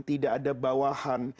tidak ada bawahan